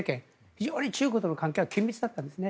非常に中国との関係は緊密だったんですね。